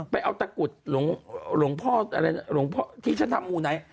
ไปเอาตะกุดหลวงพ่อที่ฉันทำมูลไหน